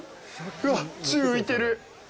うわっ、宙浮いてる！